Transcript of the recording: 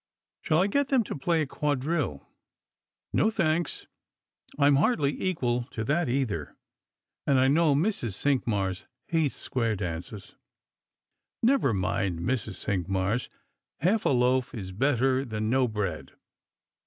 " Shall I get them to play a quadrille?" "No, thanks. I'm hardly equal to that either; and I know Mrs. Cinqmars hates square dances." "Never mind Mrs. Cinqmars. Half a loaf is better than no bread.